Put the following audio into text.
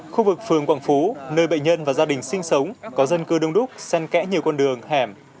khu vực phường quảng phú nơi bệnh nhân và gia đình sinh sống có dân cư đông đúc sen kẽ nhiều con đường hẻm